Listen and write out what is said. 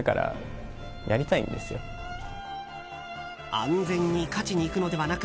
安全に勝ちに行くのではなく